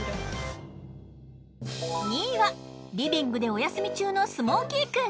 ２位はリビングでお休み中のスモーキーくん。